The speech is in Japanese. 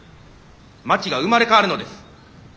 町が生まれ変わるのです。